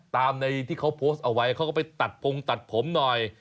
ตามในที่เขาโพสต์เอาไว้เขาก็ไปตัดพงตัดผมหน่อย